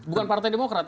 bukan partai demokrat